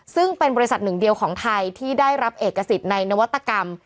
ซึ่งเป็นบริษัทหนึ่งเดียวของไทยที่ได้รับเอกสิทธิ์ในนวัตกรรม